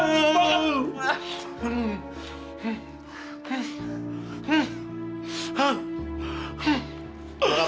bokapmu sekarang kan lagi puas